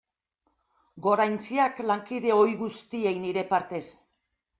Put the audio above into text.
Goraintziak lankide ohi guztiei nire partez.